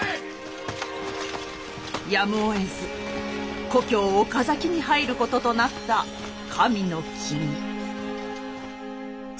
やむをえず故郷岡崎に入ることとなった神の君。